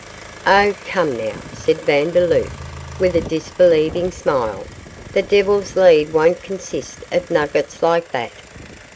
'Oh, come, now,' said Vandeloup, with a disbelieving smile, 'the Devil's Lead won't consist of nuggets like that.